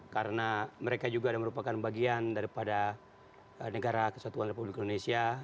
karena mereka juga adalah merupakan bagian daripada negara kesatuan republik indonesia